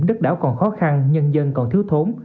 đất đảo còn khó khăn nhân dân còn thiếu thốn